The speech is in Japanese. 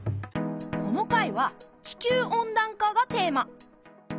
この回は「地球温暖化」がテーマ。